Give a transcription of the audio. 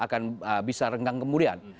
maka mereka akan bisa renggang kemudian